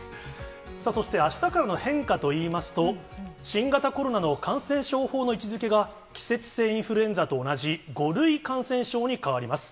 そして、あしたからの変化といいますと、新型コロナの感染症法上の位置づけが、季節性インフルエンザと同じ５類感染症に変わります。